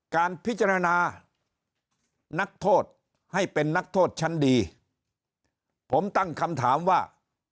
การพิจารณานักโทษให้เป็นนักโทษชั้นดีผมตั้งคำถามว่า